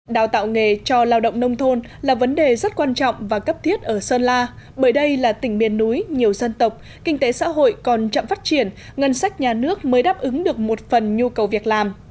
đào tạo nghề cho lao động nông thôn là vấn đề rất quan trọng và cấp thiết ở sơn la bởi đây là tỉnh miền núi nhiều dân tộc kinh tế xã hội còn chậm phát triển ngân sách nhà nước mới đáp ứng được một phần nhu cầu việc làm